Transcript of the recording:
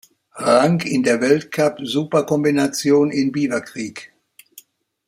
Rang in der Weltcup-Super-Kombination in Beaver Creek.